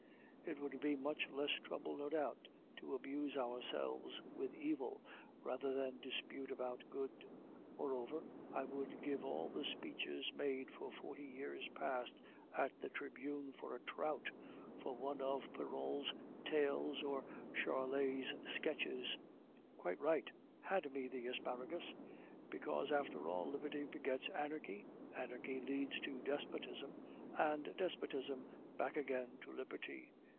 "It would be much less trouble, no doubt, to amuse ourselves with evil, rather than dispute about good. Moreover, I would give all the speeches made for forty years past at the Tribune for a trout, for one of Perrault's tales or Charlet's sketches." "Quite right!... Hand me the asparagus. Because, after all, liberty begets anarchy, anarchy leads to despotism, and despotism back again to liberty.